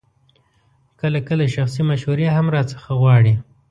کله کله شخصي مشورې هم راڅخه غواړي.